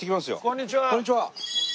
こんにちは。